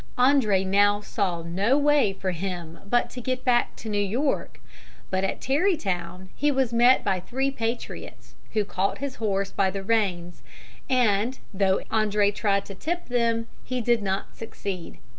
André now saw no way for him but to get back to New York; but at Tarrytown he was met by three patriots, who caught his horse by the reins, and, though André tried to tip them, he did not succeed.